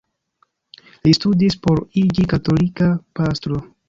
Li studis por iĝi katolika pastro.